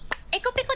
ペコ！